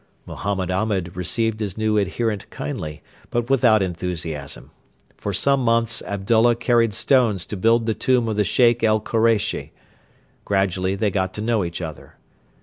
Mohammed Ahmed received his new adherent kindly, but without enthusiasm. For some months Abdullah carried stones to build the tomb of the Sheikh el Koreishi. Gradually they got to know each other.